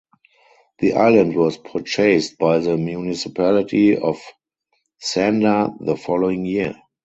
The island was purchased by the municipality of Sandar the following year.